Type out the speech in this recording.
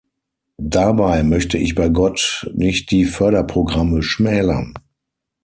Dabei möchte ich bei Gott nicht die Förderprogramme schmälern.